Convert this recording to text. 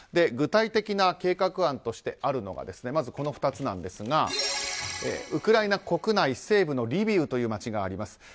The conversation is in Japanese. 具体的な計画案としてあるのがまず、この２つなんですがウクライナ国内西部のリビウという街があります。